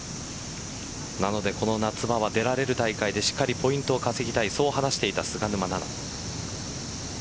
なのでこの夏場は出られる大会でしっかりとポイントを稼ぎたいと話していた菅沼菜々。